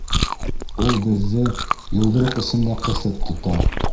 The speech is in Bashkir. Ул беҙҙе йоҙроҡ эсендә ҡыҫып тота.